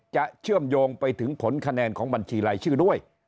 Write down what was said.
เชื่อมโยงไปถึงผลคะแนนของบัญชีรายชื่อด้วย